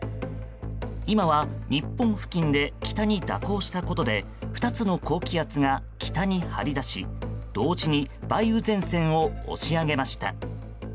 今は日本付近で北に蛇行したことで２つの高気圧が北に張り出し同時に梅雨前線を押し上げました。